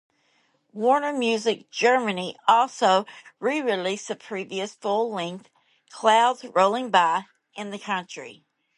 Warner Music Germany also re-released the previous full-length "Clouds Rolling By" in the country.